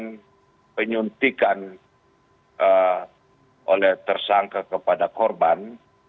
kemudian penyuntikan oleh tersangka kepada korban